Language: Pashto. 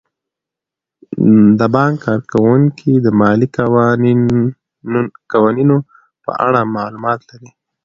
د بانک کارکوونکي د مالي قوانینو په اړه معلومات لري.